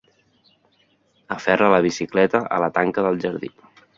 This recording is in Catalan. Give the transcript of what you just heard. Aferra la bicicleta a la tanca del jardí.